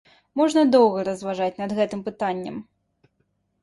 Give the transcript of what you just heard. Можна доўга разважаць над гэтым пытаннем.